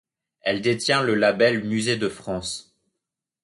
Elle détient le label musée de France.